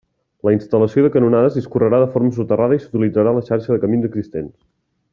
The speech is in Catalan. La instal·lació de canonades discorrerà de forma soterrada i s'utilitzarà la xarxa de camins existents.